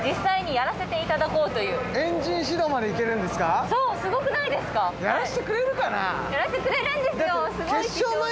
やらせてくれるんですよ。